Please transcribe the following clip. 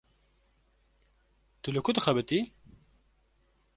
Tu li ku dixebitî?